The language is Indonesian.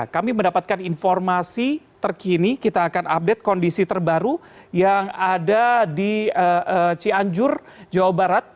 kami mendapatkan informasi terkini kita akan update kondisi terbaru yang ada di cianjur jawa barat